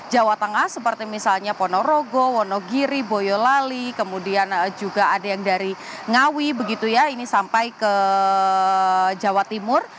jawa tengah seperti misalnya ponorogo wonogiri boyolali kemudian juga ada yang dari ngawi begitu ya ini sampai ke jawa timur